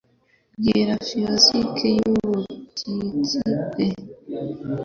Bwira physique y'ubutinyutsi bwe;